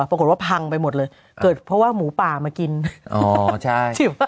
ปรากฏว่าพังไปหมดเลยเกิดเพราะว่าหมูป่ามากินอ๋อใช่ป่ะ